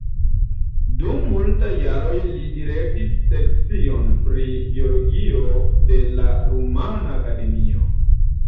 Dum multaj jaroj li direktis sekcion pri biologio de la Rumana Akademio.